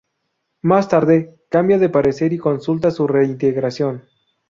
Más tarde, cambia de parecer y consulta su reintegración.